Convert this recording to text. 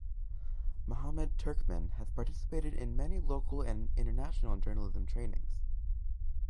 Mahammad Turkman has participated in many local and international journalism trainings.